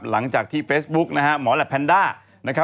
หลังจากที่เฟซบุ๊กหมอแหลปแพนด้า